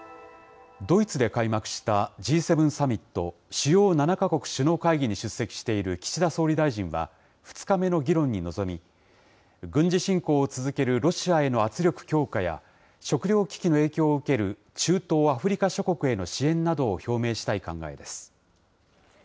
ドイツで開幕したＧ７サミット・主要７か国首脳会議に出席している岸田総理大臣は２日目の議論に臨み、軍事侵攻を続けるロシアへの圧力強化や、食料危機の影響を受ける中東・アフリカ諸国への支援などを表明したい考えです。